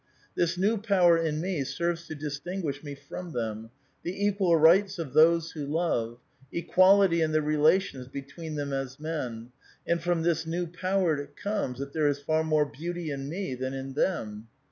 This new power in me serves Jo distinguish me from them, — the equal rights of those who love, equality in the relations between them as men, — and from this new power it comes that there is far more beaut}* in me than in them.